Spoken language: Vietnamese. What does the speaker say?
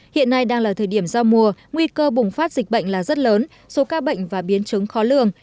hiện nay đang là thời điểm giao mùa nguy cơ bùng phát dịch bệnh là rất lớn số ca bệnh và biến chứng khó lường